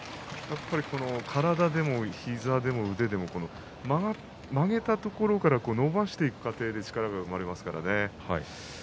体でも膝でも曲げたところから伸ばしていく過程で力が生まれますからね。